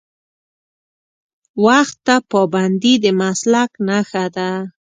وخت ته پابندي د مسلک نښه ده.